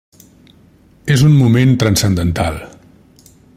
És un moment transcendental.